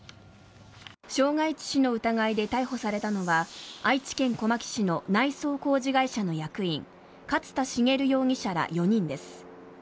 傷害致死の疑いで逮捕されたのは愛知県小牧市の内装工事会社の役員、勝田茂容疑者ら４人です。